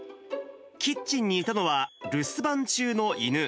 キッチンにいたのは、留守番中の犬。